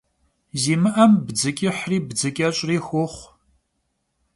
Zimı'em bdzı ç'ıhri bdzı ç'eş'ri xuoxhu.